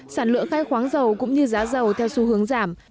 sản lượng khai khoáng giàu cũng như giá giàu theo xu hướng giảm